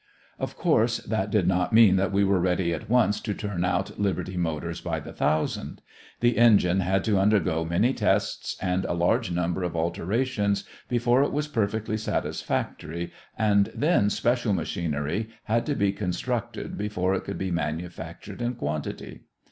Of course that did not mean that we were ready at once to turn out Liberty motors by the thousand. The engine had to undergo many tests and a large number of alterations before it was perfectly satisfactory and then special machinery had to be constructed before it could be manufactured in quantity.